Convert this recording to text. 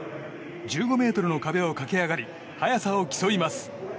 １５ｍの壁を駆け上がり速さを競います。